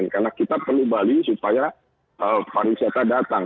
karena kita perlu bali supaya pariwisata datang